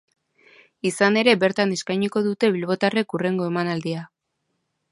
Izan ere, bertan eskainiko dute bilbotarrek hurrengo emanaldia.